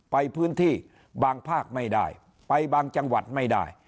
ไปพื้นที่บางภาคไม่ได้ไปบางจังหวัดไม่ได้